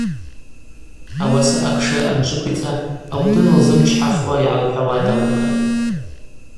Ауаса акшара анджвыквицӏа аудын лзымчхӏахуа йгӏалхӏвауа далагатӏ.